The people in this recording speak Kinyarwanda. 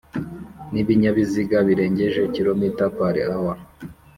nibinyabiziga birengeje km/h